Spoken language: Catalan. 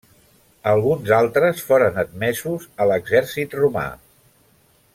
Alguns altres foren admesos a l'exèrcit romà.